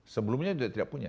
sebelumnya juga tidak punya